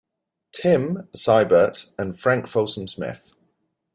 "Tim" Seibert, and Frank Folsom Smith.